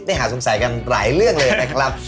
หาสงสัยกันหลายเรื่องเลยนะครับ